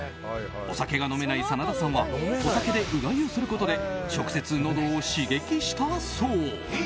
お酒が飲めない真田さんはお酒でうがいをすることで直接のどを刺激したそう。